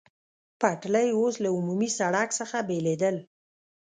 پټلۍ اوس له عمومي سړک څخه بېلېدل.